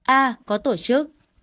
a có tổ chức